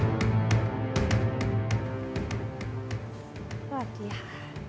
สวัสดีค่ะ